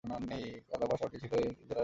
কাডাপা শহরটি হল এই জেলার জেলাসদর।